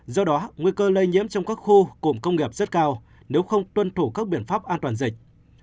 do đó nguy cơ lây nhiễm trong các khu cụm công nghiệp rất cao nếu không tuân thủ các biện pháp an toàn dịch